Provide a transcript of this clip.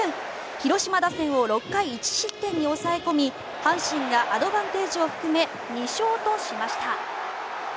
広島打線を６回１失点に抑え込み阪神がアドバンテージを含め２勝としました。